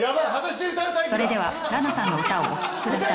それでは裸奈さんの歌をお聴きください。